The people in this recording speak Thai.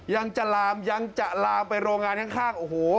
ยังจะลามยังจะลามไปโรงงานข้างโอ้โห